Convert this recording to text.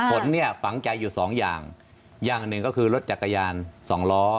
ผลเนี่ยฝังใจอยู่สองอย่างอย่างหนึ่งก็คือรถจักรยานสองล้อ